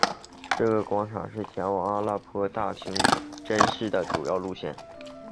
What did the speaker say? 这个广场是前往阿勒颇大清真寺的主要路线。